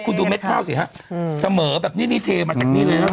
คุณดูเม็ดข้าวสิฮะเสมอแบบนี้นี่เทมาจากนี้เลยนะ